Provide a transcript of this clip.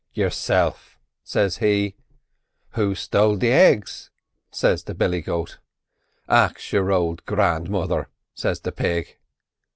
"'Yourself,' says him. "'Who stole the eggs?' says the billy goat. "'Ax your ould grandmother!' says the pig.